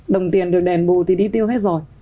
đồng tiền được đền bù thì đi tiêu hết rồi